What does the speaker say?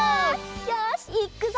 よしいくぞ！